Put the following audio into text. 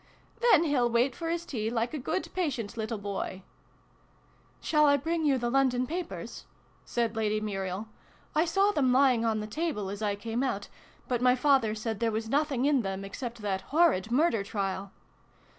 " Then he'll wait for his tea. like a good, patient little boy !" "Shall I bring you the London Papers?" said Lady Muriel. " I saw them lying on the table as I came out, but my father said there was nothing in them, except that horrid murder trial."